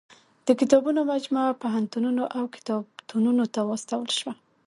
د کتابونو مجموعه پوهنتونونو او کتابتونو ته واستول شوه.